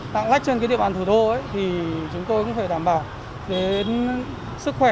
lắc chân địa bàn thủ đô thì chúng tôi cũng phải đảm bảo đến sức khỏe